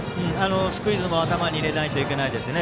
スクイズも頭に入れないといけないですね